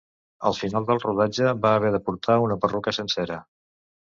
Al final del rodatge va haver de portar una perruca sencera.